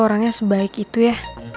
ternyata mike orang sebaik itu ya